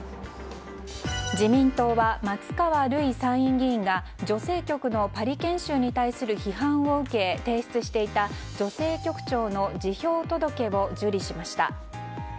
自民党は松川るい参院議員が女性局のパリ研修に対する批判を受け提出した女性局長の辞表届を受理しました。